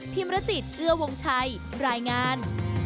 มรจิตเอื้อวงชัยรายงาน